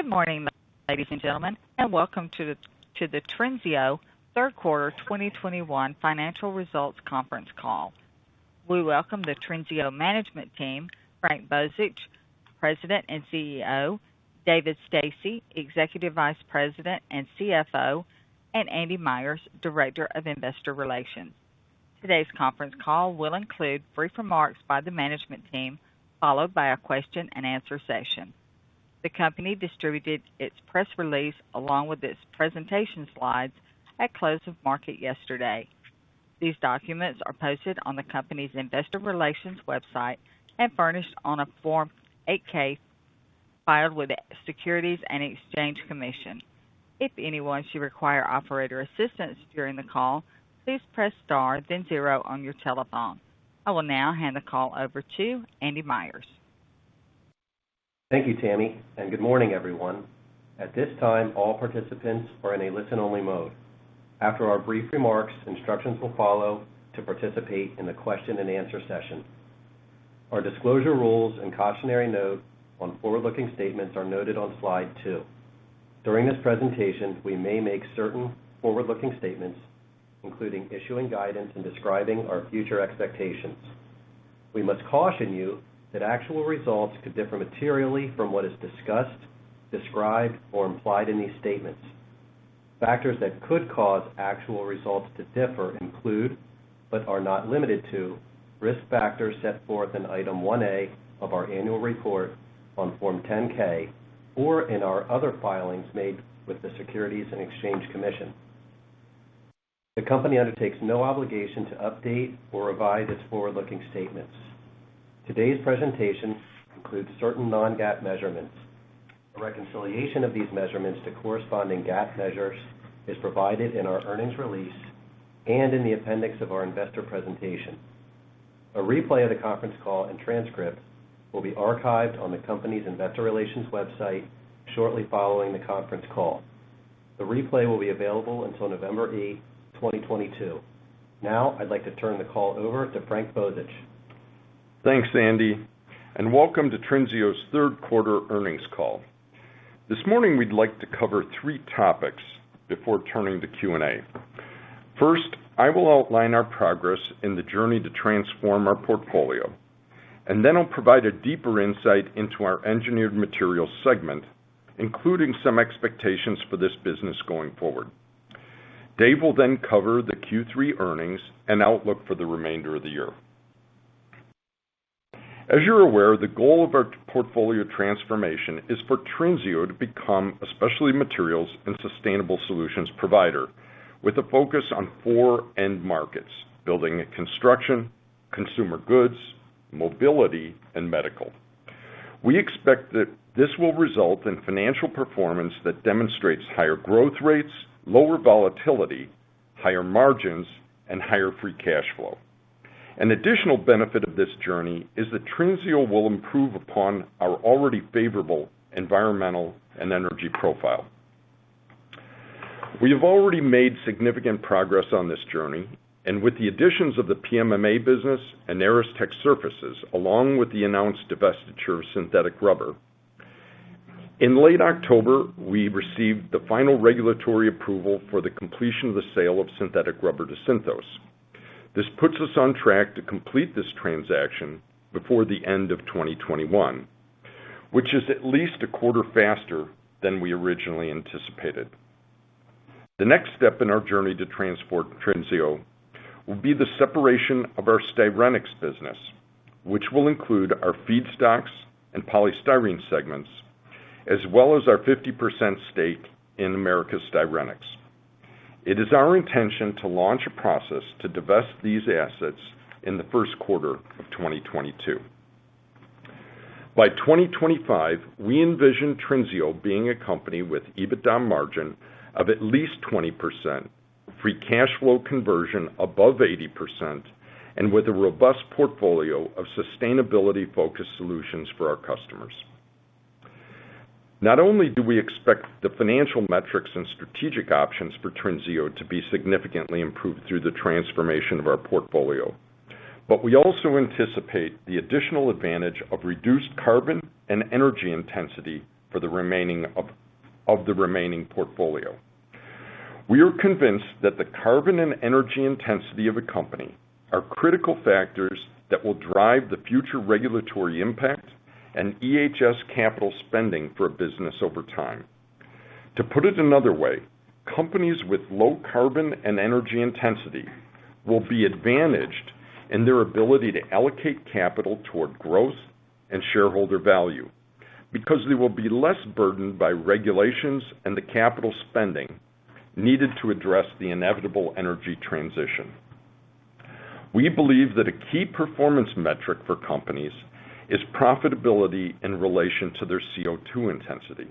Good morning, ladies and gentlemen, and welcome to the Trinseo Q3 2021 financial results conference call. We welcome the Trinseo management team, Frank Bozich, President and CEO, David Stasse, Executive Vice President and CFO, and Andy Myers, Director of Investor Relations. Today's conference call will include brief remarks by the management team, followed by a question-and-answer session. The company distributed its press release along with its presentation slides at close of market yesterday. These documents are posted on the company's investor relations website and furnished on a Form 8-K filed with the Securities and Exchange Commission. If anyone should require operator assistance during the call, please press star then zero on your telephone. I will now hand the call over to Andy Myers. Thank you, Tammy, and good morning, everyone. At this time, all participants are in a listen-only mode. After our brief remarks, instructions will follow to participate in the question-and-answer session. Our disclosure rules and cautionary note on forward-looking statements are noted on slide 2. During this presentation, we may make certain forward-looking statements, including issuing guidance and describing our future expectations. We must caution you that actual results could differ materially from what is discussed, described, or implied in these statements. Factors that could cause actual results to differ include, but are not limited to, risk factors set forth in Item 1A of our annual report on Form 10-K or in our other filings made with the Securities and Exchange Commission. The company undertakes no obligation to update or revise its forward-looking statements. Today's presentation includes certain non-GAAP measurements. A reconciliation of these measurements to corresponding GAAP measures is provided in our earnings release and in the appendix of our investor presentation. A replay of the conference call and transcript will be archived on the company's investor relations website shortly following the conference call. The replay will be available until November eighth, 2022. Now, I'd like to turn the call over to Frank Bozich. Thanks, Andy, and welcome to Trinseo's Q3 earnings call. This morning, we'd like to cover three topics before turning to Q&A. First, I will outline our progress in the journey to transform our portfolio, and then I'll provide a deeper insight into our engineered materials segment, including some expectations for this business going forward. Dave will then cover the Q3 earnings and outlook for the remainder of the year. As you're aware, the goal of our portfolio transformation is for Trinseo to become a specialty materials and sustainable solutions provider with a focus on four end markets: building and construction, consumer goods, mobility, and medical. We expect that this will result in financial performance that demonstrates higher growth rates, lower volatility, higher margins, and higher free cash flow. An additional benefit of this journey is that Trinseo will improve upon our already favorable environmental and energy profile. We have already made significant progress on this journey, and with the additions of the PMMA business and Aristech Surfaces, along with the announced divestiture of Synthetic Rubber. In late October, we received the final regulatory approval for the completion of the sale of Synthetic Rubber to Synthos. This puts us on track to complete this transaction before the end of 2021, which is at least a quarter faster than we originally anticipated. The next step in our journey to transform Trinseo will be the separation of our Styrenics business, which will include our Feedstocks and Polystyrene segments, as well as our 50% stake in Americas Styrenics. It is our intention to launch a process to divest these assets in the Q1 of 2022. By 2025, we envision Trinseo being a company with EBITDA margin of at least 20%, free cash flow conversion above 80%, and with a robust portfolio of sustainability-focused solutions for our customers. Not only do we expect the financial metrics and strategic options for Trinseo to be significantly improved through the transformation of our portfolio, but we also anticipate the additional advantage of reduced carbon and energy intensity for the remaining portfolio. We are convinced that the carbon and energy intensity of a company are critical factors that will drive the future regulatory impact and EHS capital spending for a business over time. To put it another way, companies with low carbon and energy intensity will be advantaged in their ability to allocate capital toward growth and shareholder value, because they will be less burdened by regulations and the capital spending needed to address the inevitable energy transition. We believe that a key performance metric for companies is profitability in relation to their CO2 intensity.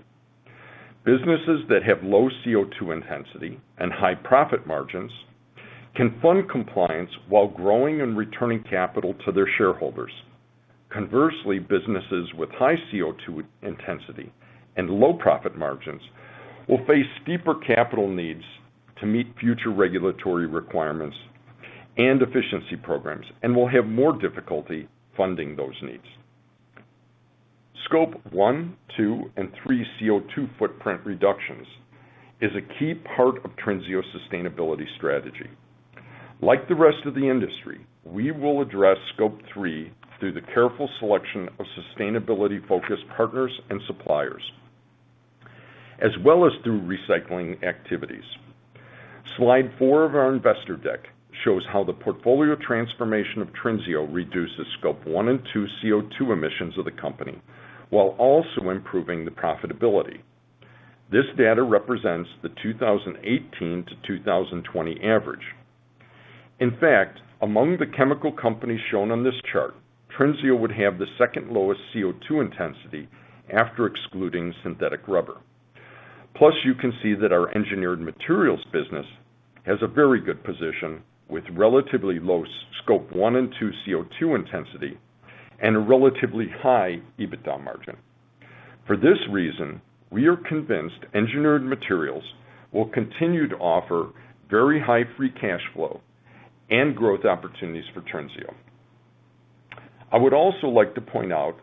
Businesses that have low CO2 intensity and high profit margins can fund compliance while growing and returning capital to their shareholders. Conversely, businesses with high CO2 intensity and low profit margins will face steeper capital needs to meet future regulatory requirements and efficiency programs and will have more difficulty funding those needs. Scope one, two, and three CO2 footprint reductions is a key part of Trinseo sustainability strategy. Like the rest of the industry, we will address scope three through the careful selection of sustainability-focused partners and suppliers, as well as through recycling activities. Slide 4 of our investor deck shows how the portfolio transformation of Trinseo reduces scope one and two CO2 emissions of the company, while also improving the profitability. This data represents the 2018-2020 average. In fact, among the chemical companies shown on this chart, Trinseo would have the second lowest CO2 intensity after excluding Synthetic Rubber. Plus, you can see that our Engineered Materials business has a very good position with relatively low scope one and two CO2 intensity and a relatively high EBITDA margin. For this reason, we are convinced Engineered Materials will continue to offer very high free cash flow and growth opportunities for Trinseo. I would also like to point out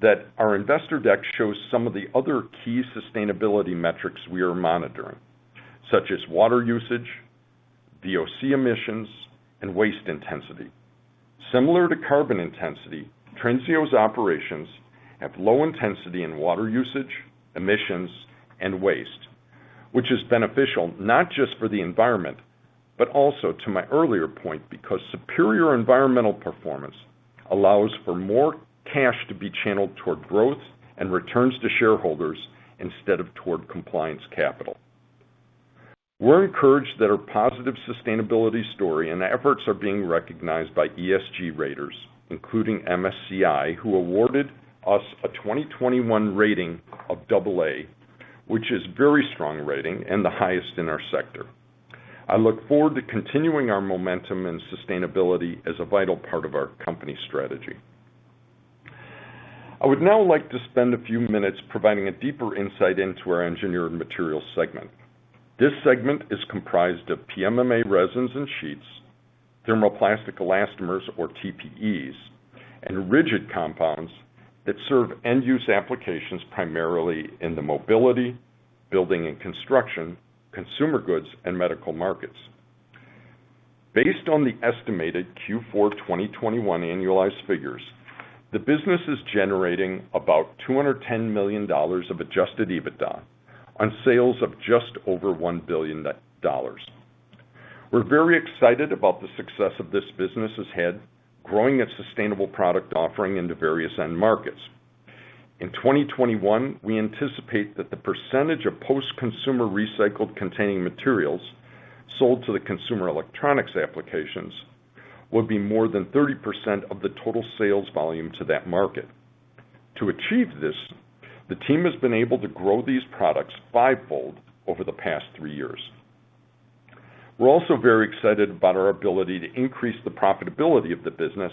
that our investor deck shows some of the other key sustainability metrics we are monitoring, such as water usage, VOC emissions, and waste intensity. Similar to carbon intensity, Trinseo's operations have low intensity in water usage, emissions, and waste, which is beneficial, not just for the environment, but also to my earlier point, because superior environmental performance allows for more cash to be channeled toward growth and returns to shareholders instead of toward compliance capital. We are encouraged that our positive sustainability story and efforts are being recognized by ESG raters, including MSCI, who awarded us a 2021 rating of AA, which is very strong rating and the highest in our sector. I look forward to continuing our momentum and sustainability as a vital part of our company strategy. I would now like to spend a few minutes providing a deeper insight into our Engineered Materials segment. This segment is comprised of PMMA resins and sheets, thermoplastic elastomers or TPEs, and rigid compounds that serve end use applications primarily in the mobility, building and construction, consumer goods, and medical markets. Based on the estimated Q4 2021 annualized figures, the business is generating about $210 million of adjusted EBITDA on sales of just over $1 billion. We're very excited about the success of this business ahead, growing its sustainable product offering into various end markets. In 2021, we anticipate that the percentage of post-consumer recycled-content containing materials sold to the consumer electronics applications will be more than 30% of the total sales volume to that market. To achieve this, the team has been able to grow these products five-fold over the past three years. We are also very excited about our ability to increase the profitability of the business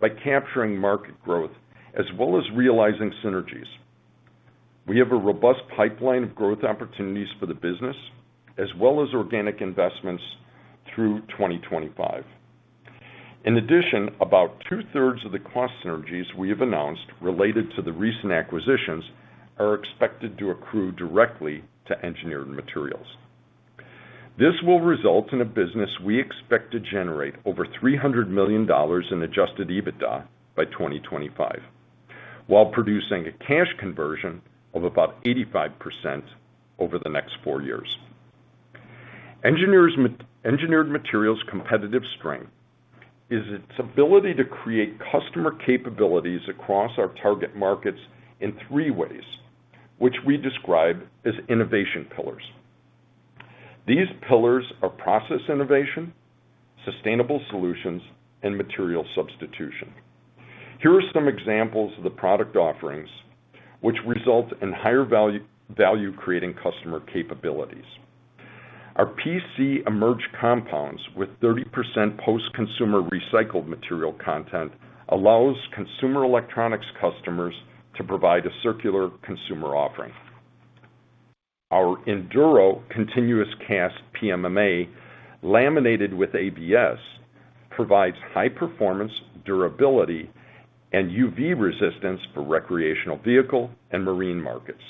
by capturing market growth, as well as realizing synergies. We have a robust pipeline of growth opportunities for the business as well as organic investments through 2025. In addition, about two-thirds of the cost synergies we have announced related to the recent acquisitions are expected to accrue directly to Engineered Materials. This will result in a business we expect to generate over $300 million in adjusted EBITDA by 2025, while producing a cash conversion of about 85% over the next four years. Engineered Materials competitive strength is its ability to create customer capabilities across our target markets in three ways, which we describe as innovation pillars. These pillars are process innovation, sustainable solutions, and material substitution. Here are some examples of the product offerings which result in higher value creating customer capabilities. Our PC/ABS EMERGE compounds with 30% post-consumer recycled material content allows consumer electronics customers to provide a circular consumer offering. Our Enduro continuous cast PMMA laminated with ABS provides high performance, durability, and UV resistance for recreational vehicle and marine markets.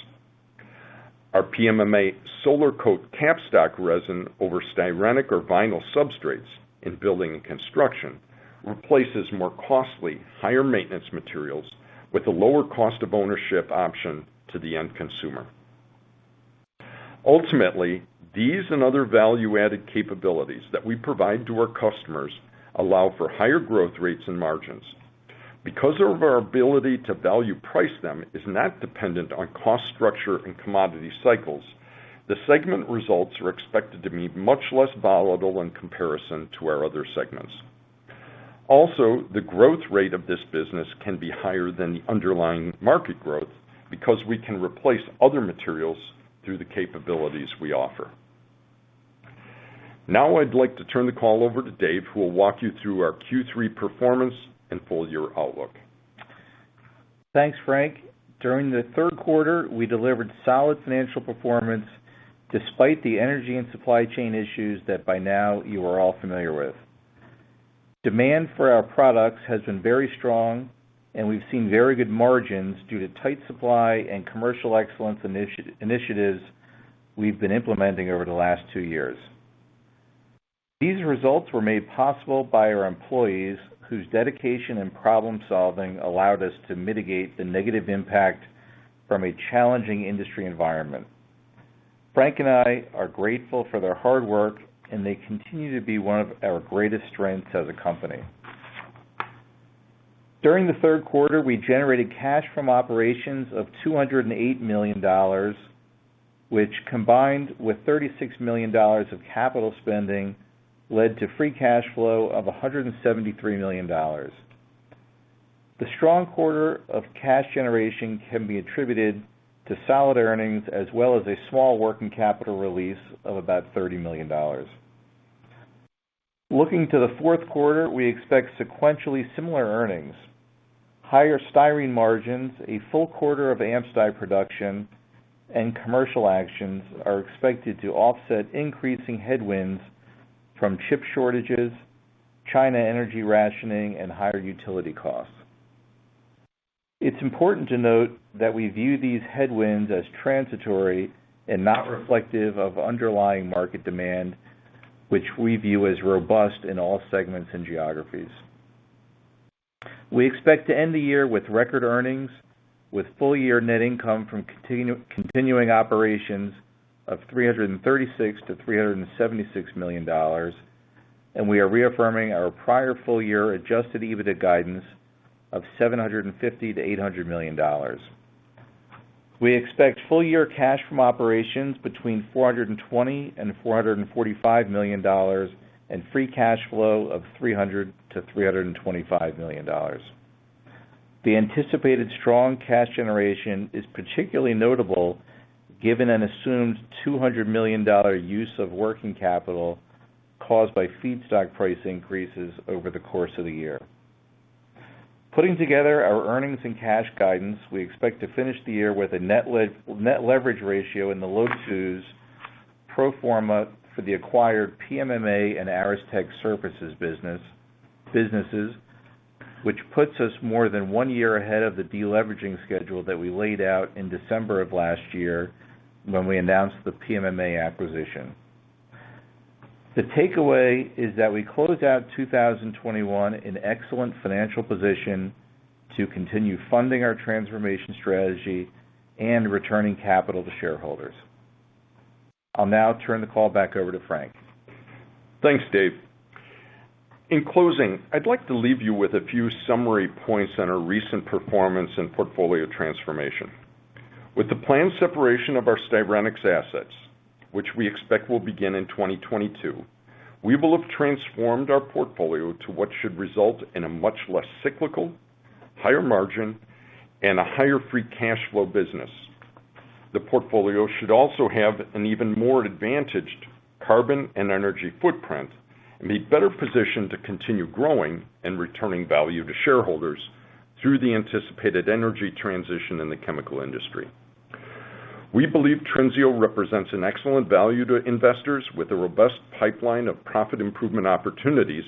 Our PMMA SOLARKOTE capstock resin over styrenic or vinyl substrates in building and construction replaces more costly, higher maintenance materials with a lower cost of ownership option to the end consumer. Ultimately, these and other value-added capabilities that we provide to our customers allow for higher growth rates and margins. Because of our ability to value-price them is not dependent on cost structure and commodity cycles, the segment results are expected to be much less volatile in comparison to our other segments. Also, the growth rate of this business can be higher than the underlying market growth because we can replace other materials through the capabilities we offer. Now I'd like to turn the call over to Dave, who will walk you through our Q3 performance and full-year outlook. Thanks, Frank. During the Q3, we delivered solid financial performance despite the energy and supply chain issues that by now you are all familiar with. Demand for our products has been very strong, and we've seen very good margins due to tight supply and commercial excellence initiatives we've been implementing over the last two years. These results were made possible by our employees, whose dedication and problem-solving allowed us to mitigate the negative impact from a challenging industry environment. Frank and I are grateful for their hard work, and they continue to be one of our greatest strengths as a company. During the Q3, we generated cash from operations of $208 million, which combined with $36 million of capital spending, led to free cash flow of $173 million. The strong quarter of cash generation can be attributed to solid earnings as well as a small working capital release of about $30 million. Looking to the Q4, we expect sequentially similar earnings. Higher styrene margins, a full quarter of AmSty production, and commercial actions are expected to offset increasing headwinds from chip shortages, China energy rationing, and higher utility costs. It's important to note that we view these headwinds as transitory and not reflective of underlying market demand, which we view as robust in all segments and geographies. We expect to end the year with record earnings, with full-year net income from continuing operations of $336 million-$376 million, and we are reaffirming our prior full-year adjusted EBITDA guidance of $750 million-$800 million. We expect full-year cash from operations between $420 million and $445 million, and free cash flow of $300 million-$325 million. The anticipated strong cash generation is particularly notable given an assumed $200 million use of working capital caused by feedstock price increases over the course of the year. Putting together our earnings and cash guidance, we expect to finish the year with a net leverage ratio in the low 2s pro forma for the acquired PMMA and Aristech Surfaces businesses, which puts us more than one year ahead of the deleveraging schedule that we laid out in December of last year when we announced the PMMA acquisition. The takeaway is that we closed out 2021 in excellent financial position to continue funding our transformation strategy and returning capital to shareholders. I'll now turn the call back over to Frank. Thanks, Dave. In closing, I'd like to leave you with a few summary points on our recent performance and portfolio transformation. With the planned separation of our Styrenics assets, which we expect will begin in 2022, we will have transformed our portfolio to what should result in a much less cyclical, higher margin, and a higher free cash flow business. The portfolio should also have an even more advantaged carbon and energy footprint and be better positioned to continue growing and returning value to shareholders through the anticipated energy transition in the chemical industry. We believe Trinseo represents an excellent value to investors with a robust pipeline of profit improvement opportunities,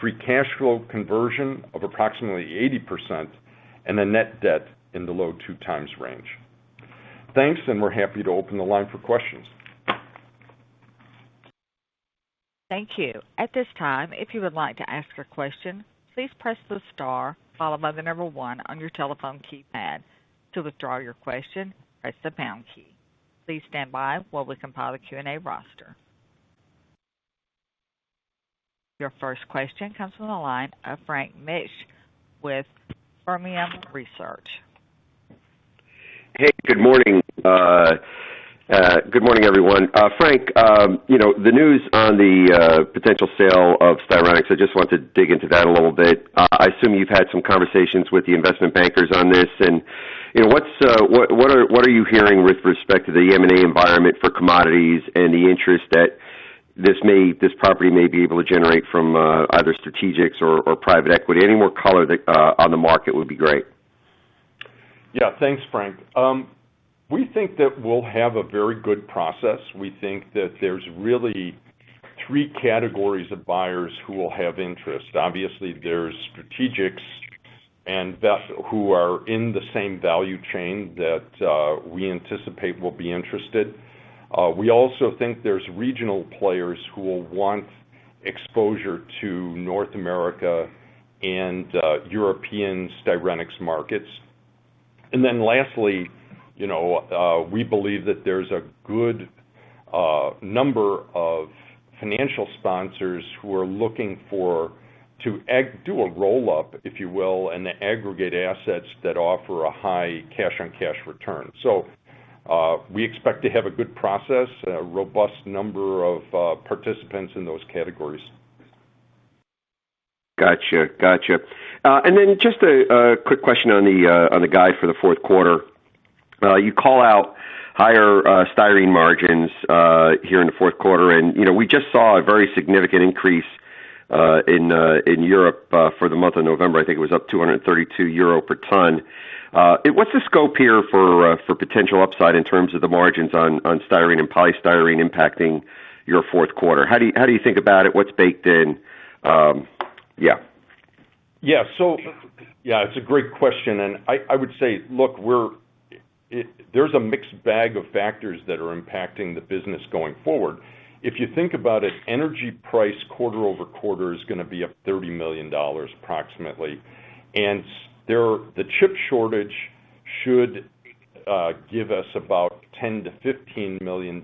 free cash flow conversion of approximately 80%, and a net debt in the low 2x range. Thanks, and we're happy to open the line for questions. Your first question comes from the line of Frank Mitsch with Fermium Research. Hey, good morning. Good morning, everyone. Frank, you know, the news on the potential sale of Americas Styrenics, I just want to dig into that a little bit. I assume you've had some conversations with the investment bankers on this and, you know, what are you hearing with respect to the M&A environment for commodities and the interest that this property may be able to generate from either strategics or private equity? Any more color on the market would be great. Yeah. Thanks, Frank. We think that we'll have a very good process. We think that there's really three categories of buyers who will have interest. Obviously, there's strategics and who are in the same value chain that we anticipate will be interested. We also think there's regional players who will want exposure to North America and European styrenics markets. And then lastly, you know, we believe that there's a good number of financial sponsors who are looking to do a roll-up, if you will, and aggregate assets that offer a high cash-on-cash return. We expect to have a good process, a robust number of participants in those categories. Gotcha. Just a quick question on the guide for the Q4. You call out higher styrene margins here in the Q4, and, you know, we just saw a very significant increase in Europe for the month of November. I think it was up 232 euro per ton. What's the scope here for potential upside in terms of the margins on styrene and polystyrene impacting your Q4? How do you think about it? What's baked in? Yeah. Yeah, it's a great question, and I would say, look, there's a mixed bag of factors that are impacting the business going forward. If you think about it, energy price quarter over quarter is going to be up $30 million approximately. The chip shortage should give us about $10 million-$15 million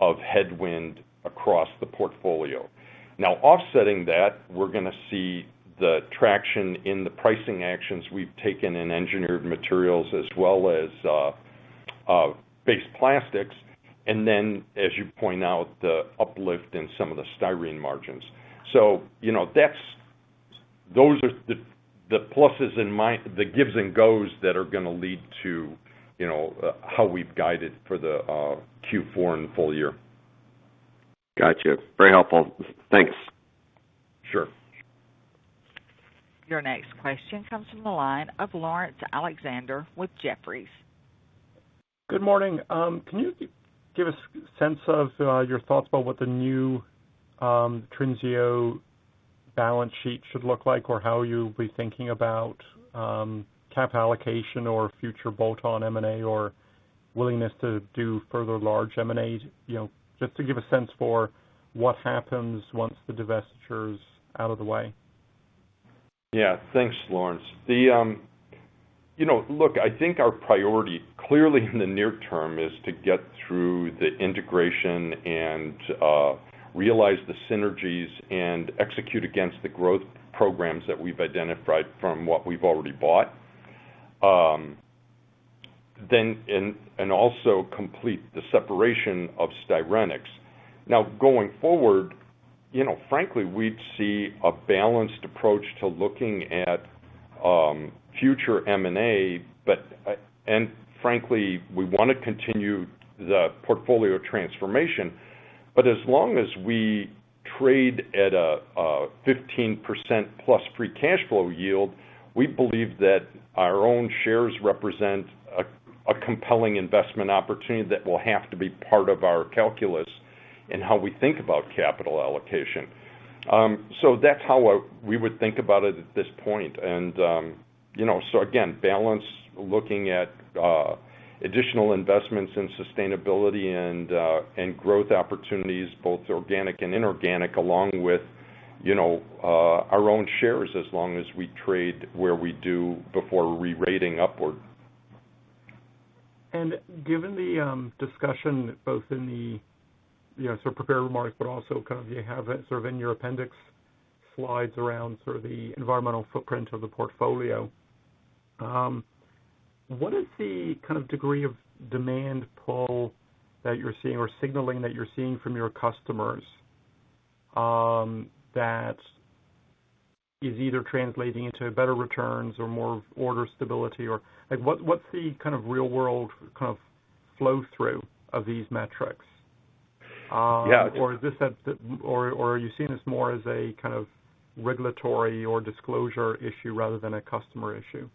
of headwind across the portfolio. Now, offsetting that, we're going to see the traction in the pricing actions we've taken in Engineered Materials as well as Basic Plastics. Then, as you point out, the uplift in some of the styrene margins. You know, that's the pluses and minuses, the gives and takes that are going to lead to, you know, how we've guided for the Q4 and the full year. Gotcha. Very helpful. Thanks. Sure. Your next question comes from the line of Laurence Alexander with Jefferies. Good morning. Can you give a sense of your thoughts about what the new Trinseo balance sheet should look like? Or how you'll be thinking about capital allocation or future bolt-on M&A or willingness to do further large M&A? You know, just to give a sense for what happens once the divestiture's out of the way. Yeah. Thanks, Laurence. Look, I think our priority, clearly in the near term, is to get through the integration and realize the synergies and execute against the growth programs that we've identified from what we've already bought and also complete the separation of Styrenics. Now, going forward, you know, frankly, we'd see a balanced approach to looking at future M&A, but frankly, we wanna continue the portfolio transformation. As long as we trade at a 15%+ free cash flow yield, we believe that our own shares represent a compelling investment opportunity that will have to be part of our calculus in how we think about capital allocation. That's how we would think about it at this point. You know, again, balancing looking at additional investments in sustainability and growth opportunities, both organic and inorganic, along with you know our own shares as long as we trade where we do before re-rating upward. Given the discussion, both in the prepared remarks, but also kind of you have it in your appendix slides around the environmental footprint of the portfolio, what is the kind of degree of demand pull that you're seeing or signaling that you're seeing from your customers, that is either translating into better returns or more order stability or. Like, what's the kind of real-world kind of flow through of these metrics? Yeah. Are you seeing this more as a kind of regulatory or disclosure issue rather than a customer issue?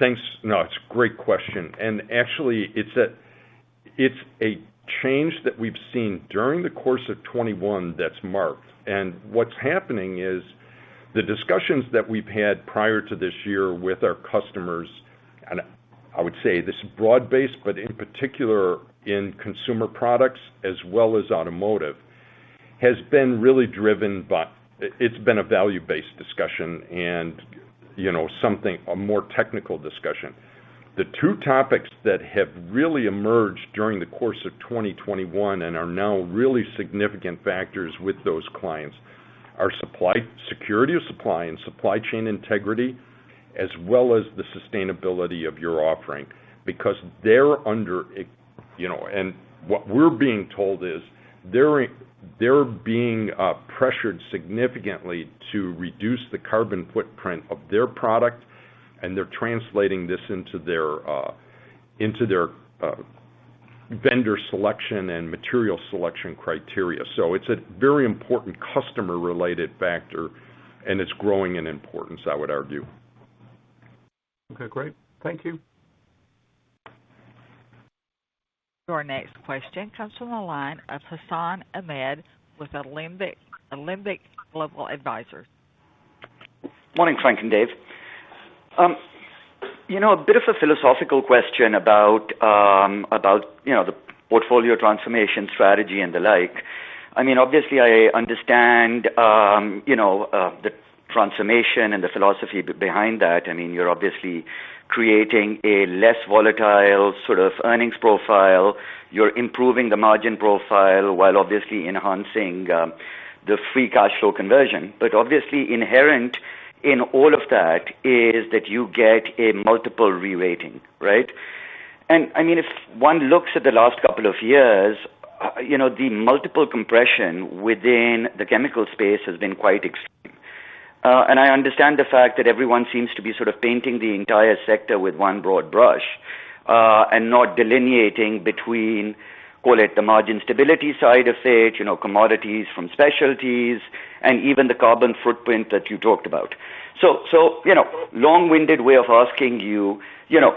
Thanks. No, it's a great question. Actually, it's a change that we've seen during the course of 2021 that's marked. What's happening is the discussions that we've had prior to this year with our customers, and I would say this is broad-based, but in particular in consumer products as well as automotive, has been really driven by. It, it's been a value-based discussion and, you know, something, a more technical discussion. The two topics that have really emerged during the course of 2021 and are now really significant factors with those clients are security of supply and supply chain integrity, as well as the sustainability of your offering. Because they're under a, you know. What we're being told is they're being pressured significantly to reduce the carbon footprint of their product, and they're translating this into their vendor selection and material selection criteria. It's a very important customer-related factor, and it's growing in importance, I would argue. Okay. Great. Thank you. Your next question comes from the line of Hassan Ahmed with Alembic Global Advisors. Morning, Frank and Dave. You know, a bit of a philosophical question about the portfolio transformation strategy and the like. I mean, obviously I understand you know the transformation and the philosophy behind that. I mean, you're obviously creating a less volatile sort of earnings profile. You're improving the margin profile while obviously enhancing the free cash flow conversion. But obviously inherent in all of that is that you get a multiple re-rating, right? I mean, if one looks at the last couple of years, you know, the multiple compression within the chemical space has been quite extreme, and I understand the fact that everyone seems to be sort of painting the entire sector with one broad brush, and not delineating between, call it the margin stability side of say, you know, commodities from specialties and even the carbon footprint that you talked about. So, you know, long-winded way of asking you know,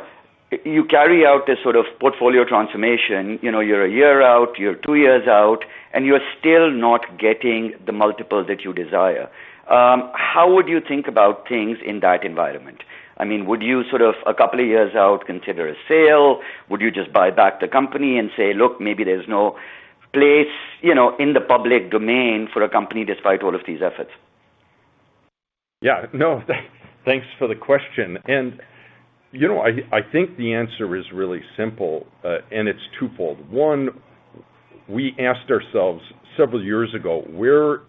you carry out this sort of portfolio transformation, you know, you're a year out, you're two years out, and you're still not getting the multiple that you desire. How would you think about things in that environment? I mean, would you sort of a couple of years out consider a sale? Would you just buy back the company and say, "Look, maybe there's no place, you know, in the public domain for a company despite all of these efforts? Thanks for the question. You know, I think the answer is really simple, and it's twofold. One, we asked ourselves several years ago, where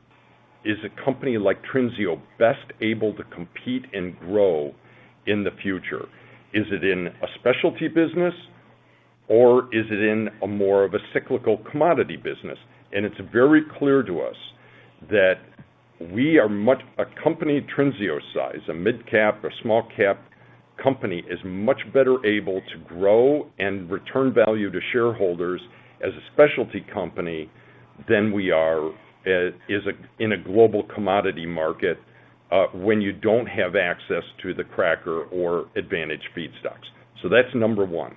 is a company like Trinseo best able to compete and grow in the future? Is it in a specialty business, or is it in a more of a cyclical commodity business? It's very clear to us that a company Trinseo's size, a midcap, a small cap company, is much better able to grow and return value to shareholders as a specialty company than we are in a global commodity market, when you don't have access to the cracker or advantaged feedstocks. That's number one.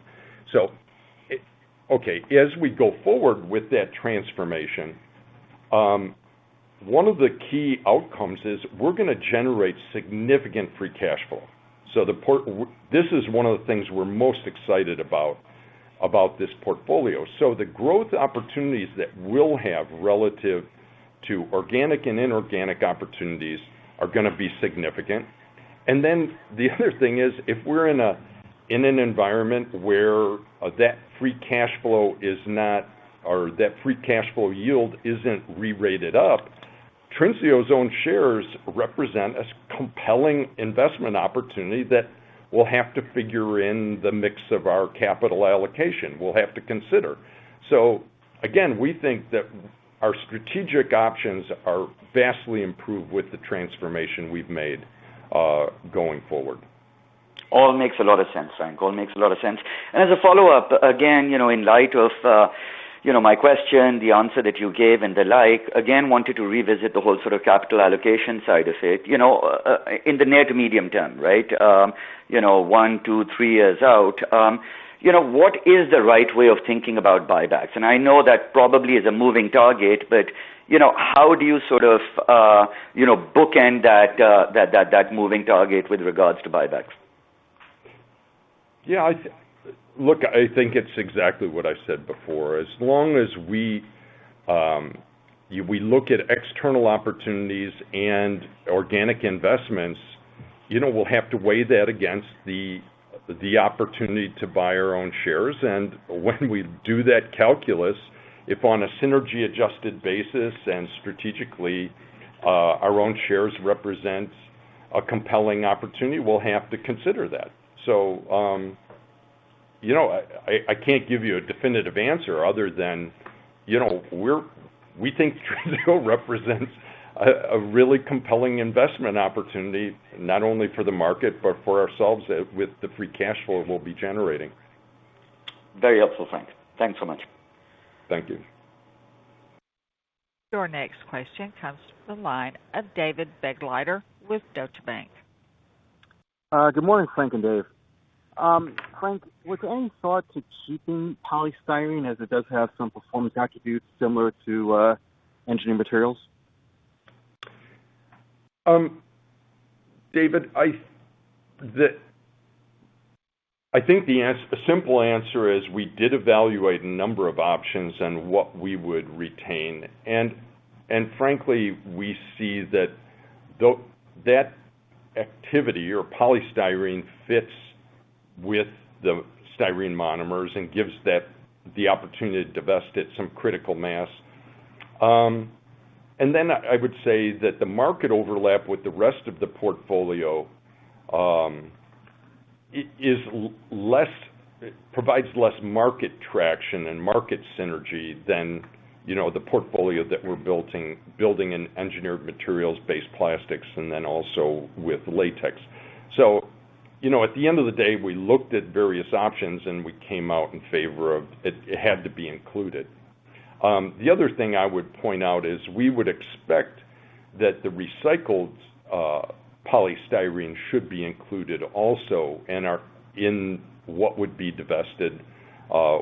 Okay, as we go forward with that transformation, one of the key outcomes is we're gonna generate significant free cash flow. This is one of the things we're most excited about this portfolio. The growth opportunities that we'll have relative to organic and inorganic opportunities are gonna be significant. Then the other thing is, if we're in an environment where that free cash flow is not, or that free cash flow yield isn't re-rated up, Trinseo's own shares represent a compelling investment opportunity that we'll have to figure in the mix of our capital allocation. We'll have to consider. Again, we think that our strategic options are vastly improved with the transformation we've made, going forward. All makes a lot of sense, Frank. As a follow-up, again, you know, in light of, you know, my question, the answer that you gave and the like, again, wanted to revisit the whole sort of capital allocation side of it, you know, in the near to medium term, right? You know, one, two, three years out. You know, what is the right way of thinking about buybacks? I know that probably is a moving target, but, you know, how do you sort of, you know, bookend that moving target with regards to buybacks? Look, I think it's exactly what I said before. As long as we look at external opportunities and organic investments, you know, we'll have to weigh that against the opportunity to buy our own shares. When we do that calculus, if on a synergy adjusted basis and strategically our own shares represents a compelling opportunity, we'll have to consider that. You know, I can't give you a definitive answer other than you know, we think Trinseo represents a really compelling investment opportunity, not only for the market, but for ourselves with the free cash flow we'll be generating. Very helpful, Frank. Thanks so much. Thank you. Your next question comes from the line of David Begleiter with Deutsche Bank. Good morning, Frank and Dave. Frank, was there any thought to keeping polystyrene as it does have some performance attributes similar to engineering materials? David, I think the simple answer is we did evaluate a number of options and what we would retain. Frankly, we see that activity or polystyrene fits with the styrene monomers and gives that the opportunity to divest it some critical mass. Then I would say that the market overlap with the rest of the portfolio is less, provides less market traction and market synergy than, you know, the portfolio that we're building in engineered materials-based plastics and then also with latex. You know, at the end of the day, we looked at various options, and we came out in favor of it had to be included. The other thing I would point out is we would expect that the recycled polystyrene should be included also and are in what would be divested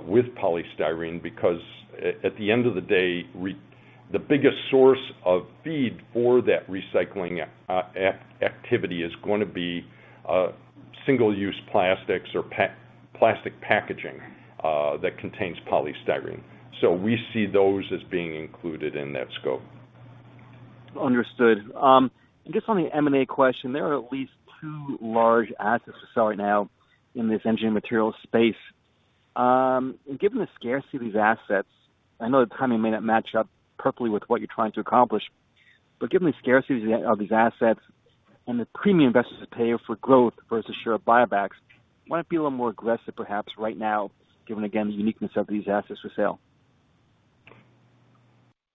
with polystyrene, because at the end of the day, the biggest source of feed for that recycling activity is gonna be single-use plastics or plastic packaging that contains polystyrene. We see those as being included in that scope. Understood. I guess on the M&A question, there are at least two large assets for sale right now in this engineering materials space. Given the scarcity of these assets, I know the timing may not match up perfectly with what you're trying to accomplish. Given the scarcity of these assets and the premium investors are paying for growth versus share buybacks, why don't we be a little more aggressive perhaps right now, given again the uniqueness of these assets for sale?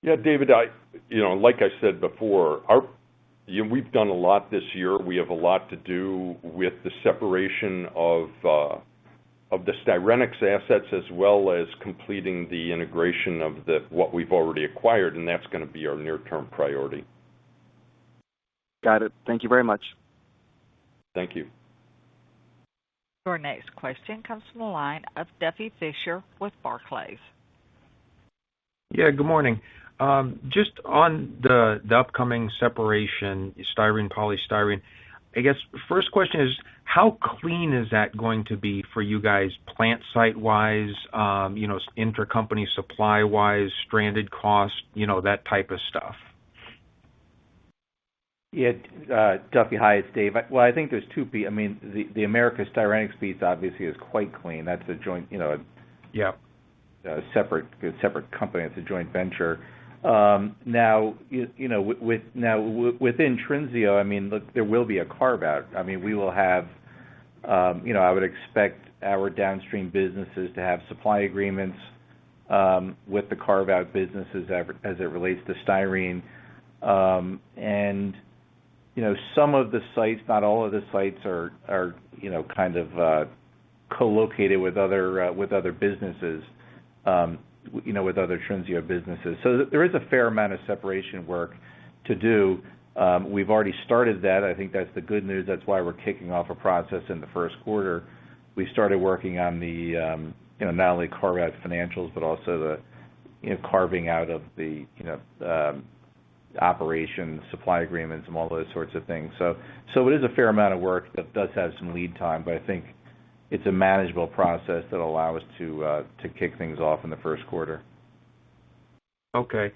Yeah, David, you know, like I said before, we've done a lot this year. We have a lot to do with the separation of the Styrenics assets, as well as completing the integration of what we've already acquired, and that's gonna be our near-term priority. Got it. Thank you very much. Thank you. Your next question comes from the line of Duffy Fischer with Barclays. Yeah, good morning. Just on the upcoming separation, styrene, polystyrene. I guess, first question is, how clean is that going to be for you guys, plant site-wise, you know, intercompany supply-wise, stranded costs, you know, that type of stuff? Yeah, Duffy. Hi, it's Dave. Well, I think I mean, the Americas Styrenics piece obviously is quite clean. That's a joint, you know- Yep ...a separate company. It's a joint venture. Now, you know, with Trinseo, I mean, look, there will be a carve-out. I mean, we will have, you know, I would expect our downstream businesses to have supply agreements with the carve-out businesses as it relates to styrene. You know, some of the sites, not all of the sites are, you know, kind of co-located with other businesses, you know, with other Trinseo businesses. There is a fair amount of separation work to do. We've already started that. I think that's the good news. That's why we're kicking off a process in the Q1. We started working on the you know not only carve-out financials but also the you know carving out of the you know operations supply agreements and all those sorts of things. It is a fair amount of work that does have some lead time, but I think it's a manageable process that'll allow us to kick things off in the Q1. Okay.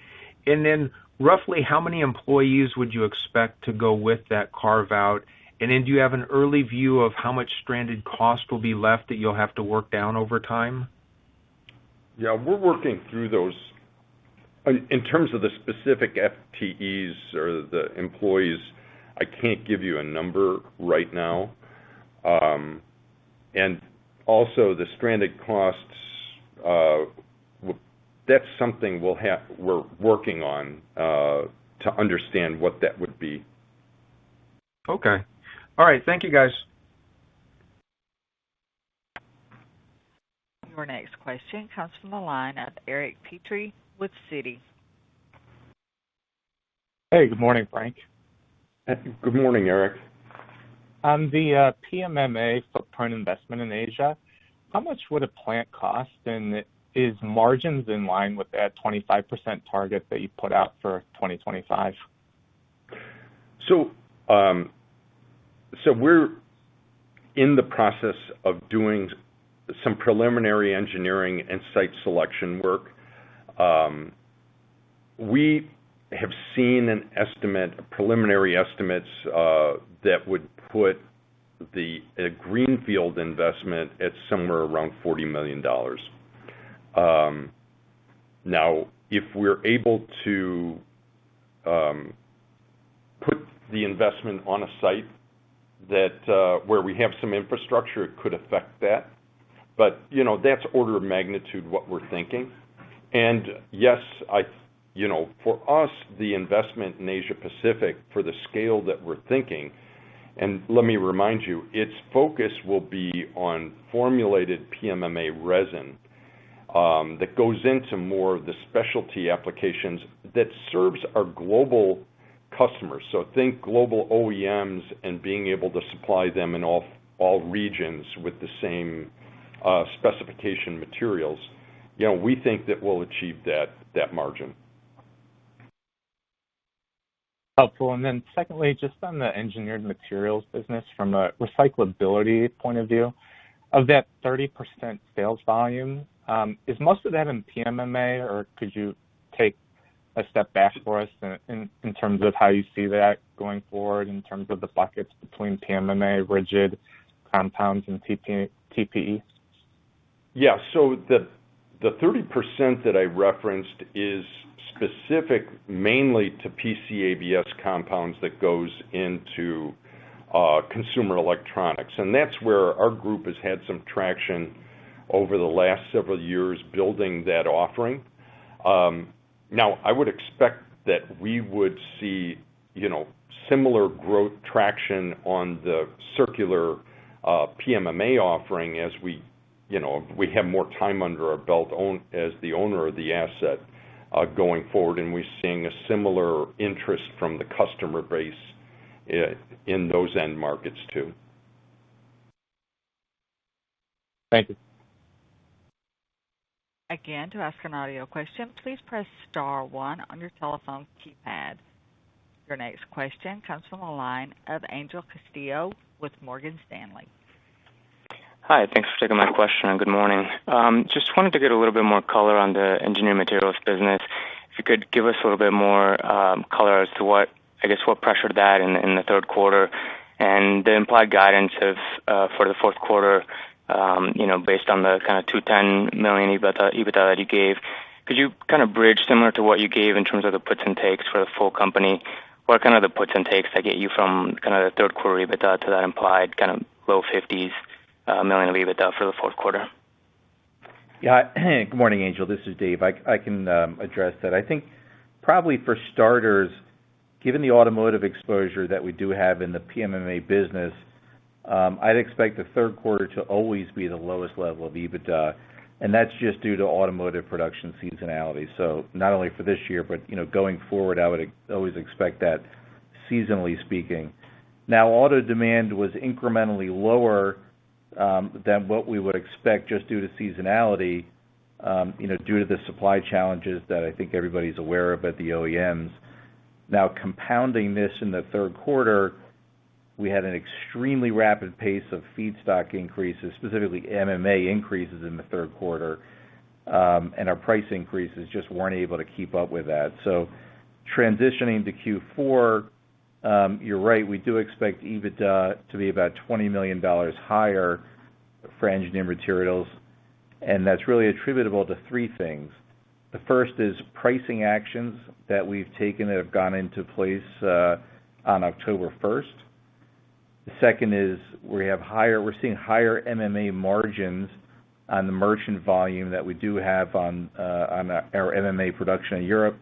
Roughly how many employees would you expect to go with that carve-out? Do you have an early view of how much stranded cost will be left that you'll have to work down over time? Yeah, we're working through those. In terms of the specific FTEs or the employees, I can't give you a number right now. Also, the stranded costs, that's something we're working on to understand what that would be. Okay. All right. Thank you, guys. Your next question comes from the line of Eric Petrie with Citi. Hey, good morning, Frank. Good morning, Eric. On the PMMA footprint investment in Asia, how much would a plant cost? Is margins in line with that 25% target that you put out for 2025? We're in the process of doing some preliminary engineering and site selection work. We have seen an estimate, preliminary estimates, that would put the greenfield investment at somewhere around $40 million. Now, if we're able to put the investment on a site that where we have some infrastructure, it could affect that. But, you know, that's order of magnitude, what we're thinking. Yes, I, you know, for us, the investment in Asia Pacific for the scale that we're thinking, and let me remind you, its focus will be on formulated PMMA resin that goes into more of the specialty applications that serves our global customers. Think global OEMs and being able to supply them in all regions with the same specification materials. You know, we think that we'll achieve that margin. Helpful. Secondly, just on the engineered materials business from a recyclability point of view. Of that 30% sales volume, is most of that in PMMA, or could you take a step back for us in terms of how you see that going forward in terms of the buckets between PMMA, rigid compounds and TPEs? The 30% that I referenced is specific mainly to PC/ABS compounds that goes into consumer electronics. That's where our group has had some traction over the last several years building that offering. Now I would expect that we would see, you know, similar growth traction on the circular PMMA offering as we, you know, have more time under our belt now as the owner of the asset going forward, and we're seeing a similar interest from the customer base in those end markets too. Thank you. Again, to ask an audio question, please press star one on your telephone keypad. Your next question comes from the line of Angel Castillo with Morgan Stanley. Hi, thanks for taking my question, and good morning. Just wanted to get a little bit more color on the engineered materials business. If you could give us a little bit more color as to what, I guess, what pressured that in the Q3. The implied guidance for the Q4, you know, based on the kinda $210 million EBITDA that you gave. Could you kinda bridge similar to what you gave in terms of the puts and takes for the full company? What are kinda the puts and takes that get you from kinda the Q3 EBITDA to that implied kinda low fifties? I'm gonna leave it there for the Q4. Yeah. Good morning, Angel. This is Dave. I can address that. I think probably for starters, given the automotive exposure that we do have in the PMMA business, I'd expect the Q3 to always be the lowest level of EBITDA, and that's just due to automotive production seasonality. So not only for this year, but, you know, going forward, I would always expect that seasonally speaking. Now, auto demand was incrementally lower than what we would expect just due to seasonality, you know, due to the supply challenges that I think everybody's aware of at the OEMs. Now compounding this in the Q3, we had an extremely rapid pace of feedstock increases, specifically MMA increases in the Q3, and our price increases just weren't able to keep up with that. Transitioning to Q4, you're right, we do expect EBITDA to be about $20 million higher for Engineered Materials, and that's really attributable to three things. The first is pricing actions that we've taken that have gone into place on October first. The second is we're seeing higher MMA margins on the merchant volume that we do have on our MMA production in Europe.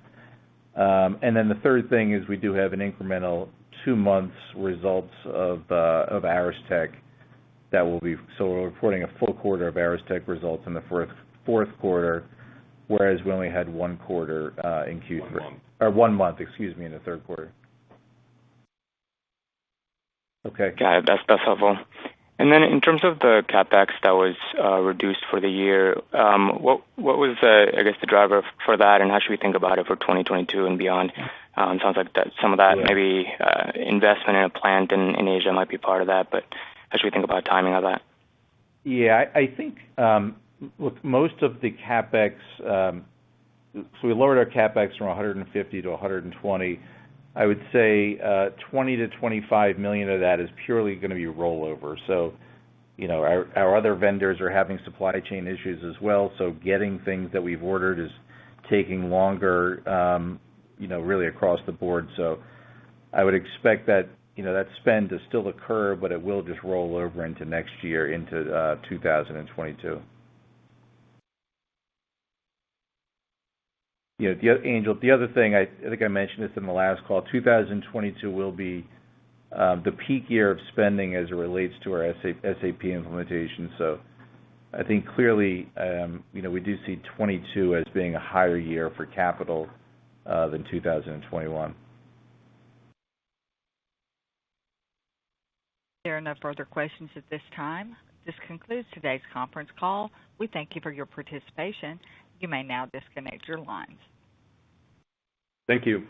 And then the third thing is we do have an incremental two months results of Aristech that will be. We're reporting a full quarter of Aristech results in the Q4, whereas we only had one quarter in Q3. One month. One month, excuse me, in the Q3. Okay. Got it. That's helpful. In terms of the CapEx that was reduced for the year, what was the, I guess, the driver for that, and how should we think about it for 2022 and beyond? It sounds like that some of that maybe investment in a plant in Asia might be part of that. How should we think about timing of that? I think most of the CapEx we lowered our CapEx from $150 million to $120 million. I would say $20 million-$25 million of that is purely gonna be rollover. You know, our other vendors are having supply chain issues as well, so getting things that we've ordered is taking longer, you know, really across the board. I would expect that spend to still occur, but it will just roll over into next year, into 2022. You know, Angel, the other thing, I think I mentioned this in the last call, 2022 will be the peak year of spending as it relates to our SAP implementation. I think clearly, you know, we do see 2022 as being a higher year for capital than 2021. There are no further questions at this time. This concludes today's conference call. We thank you for your participation. You may now disconnect your lines. Thank you.